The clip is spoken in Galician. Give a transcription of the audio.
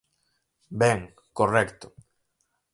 ¡Ben, correcto!